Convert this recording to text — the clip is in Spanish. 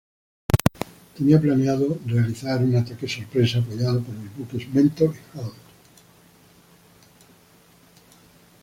Tenía planeado realizar un ataque sorpresa apoyado por los buques "Mentor" y "Hound".